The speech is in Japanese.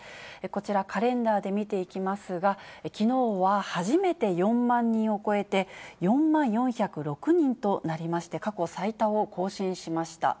こちら、カレンダーで見ていきますが、きのうは初めて４万人を超えて、４万４０６人となりまして、過去最多を更新しました。